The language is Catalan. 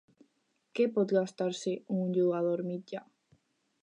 Què pot gastar-se, un jugador mitjà?